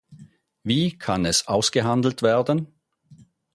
Wie kann es ausgehandelt werden?